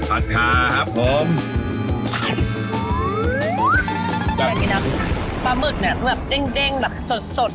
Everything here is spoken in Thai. อันนี้นะปลาหมึกเนี่ยแบบเด้งเด้งแบบสดสด